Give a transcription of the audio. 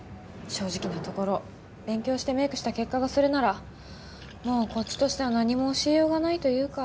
正直なところ勉強してメイクした結果がそれならもうこっちとしては何も教えようがないというか。